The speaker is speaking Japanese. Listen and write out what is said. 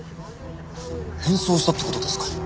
変装したって事ですか。